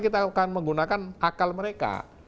kita akan menggunakan akal mereka